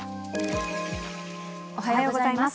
おはようございます。